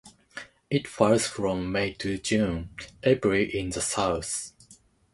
It flies from May to June (April in the South).